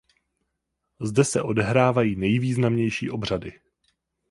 Zde se odehrávají nejvýznamnější obřady.